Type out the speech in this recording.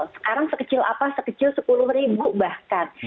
sekarang sekecil apa sekecil sepuluh ribu bahkan